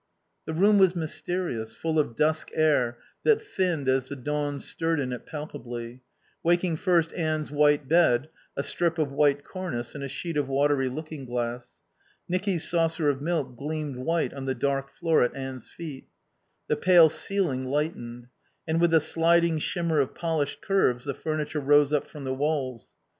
The room was mysterious, full of dusk air that thinned as the dawn stirred in it palpably, waking first Anne's white bed, a strip of white cornice and a sheet of watery looking glass. Nicky's saucer of milk gleamed white on the dark floor at Anne's feet. The pale ceiling lightened; and with a sliding shimmer of polished curves the furniture rose up from the walls.